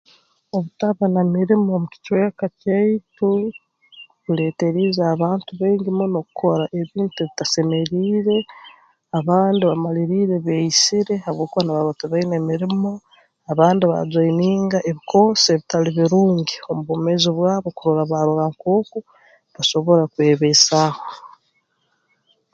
Obutaba na mirimo mu kicweka kyaitu kuleeteriize abantu baingi muno kukora ebintu ebitasemeriire abandi bamaliriire beeyisire habwokuba nibarora tibaine mirimo abandi bajoininga ebikoosi ebitali birungi omu bwomeezi bwabo kurora barora nkooku basobora kwebaisaaho